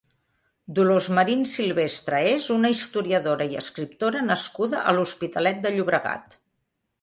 Dolors Marin Silvestre és una historiadora i escriptora nascuda a l'Hospitalet de Llobregat.